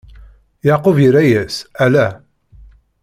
Yeɛqub irra-yas: Ala!